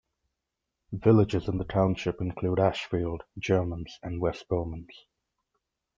Villages in the township include Ashfield, Germans, and West Bowmans.